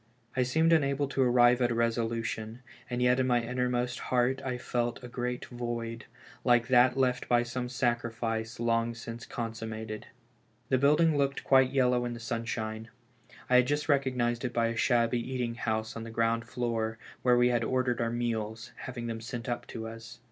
I seemed unable to arrive at a resolution, and yet in my innermost heart I felt a great void, like that left by some sacrifice long since consummated. The building looked quite yellow in the sunshine. I had just recognized it by a shabby eating house on the ground fioor, where we had ordered our meals, having them sent up to us.